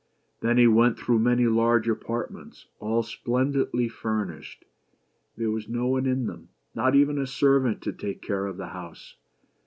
Then he went through many large apartments, all splendidly furnished. There was no one in them ; not even a servant to take care of the house.